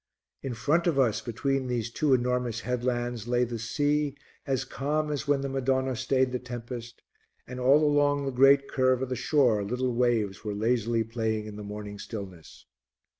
In front of us, between these two enormous headlands, lay the sea as calm as when the Madonna stayed the tempest, and all along the great curve of the shore little waves were lazily playing in the morning stillness.